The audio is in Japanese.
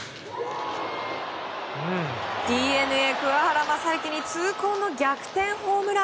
ＤｅＮＡ、桑原に痛恨の逆転ホームラン。